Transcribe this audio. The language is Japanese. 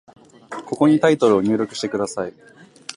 ここにタイトルを入力してください。